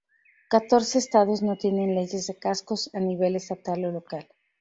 Catorce estados no tienen leyes de cascos a nivel estatal o local.